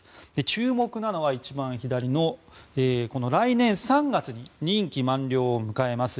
注目なのは一番左の来年３月に任期満了を迎えます